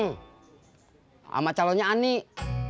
sama calonnya anik